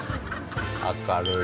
明るい。